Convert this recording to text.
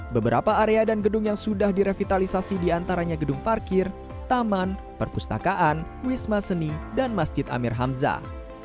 beberapa area dan gedung yang sudah direvitalisasi diantaranya gedung parkir taman perpustakaan wisma seni dan masjid amir hamzah